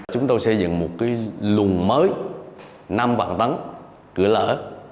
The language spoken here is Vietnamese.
chúng tôi xây dựng một cái luồng mới năm vạn tấn cửa lở